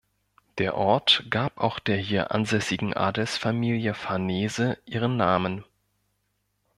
Der Ort gab auch der hier ansässigen Adelsfamilie Farnese ihren Namen.